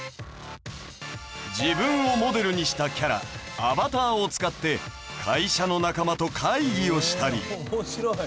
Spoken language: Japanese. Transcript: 自分をモデルにしたキャラアバターを使って会社の仲間と会議をしたり。